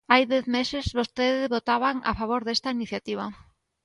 Hai dez meses vostedes votaban a favor desta iniciativa.